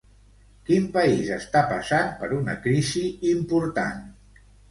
Quin país està passant per una crisi important?